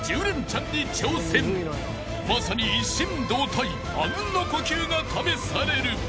［まさに一心同体あうんの呼吸が試される］